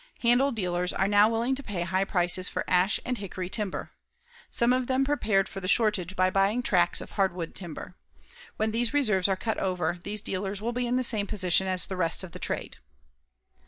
Handle dealers are now willing to pay high prices for ash and hickory timber. Some of them prepared for the shortage by buying tracts of hardwood timber. When these reserves are cut over, these dealers will be in the same position as the rest of the trade.